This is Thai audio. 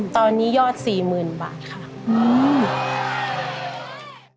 ตอนนี้ยอด๔๐๐๐บาทค่ะ